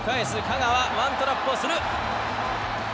香川ワントラップをする。